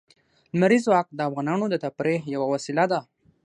لمریز ځواک د افغانانو د تفریح یوه وسیله ده.